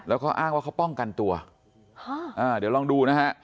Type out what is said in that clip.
แล้วก็อ้างว่าเขาป้องกันตัวฮะอ่าเดี๋ยวลองดูนะฮะ